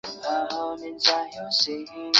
华东蓝刺头为菊科蓝刺头属的植物。